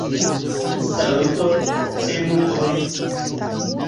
Saluton, emuoj!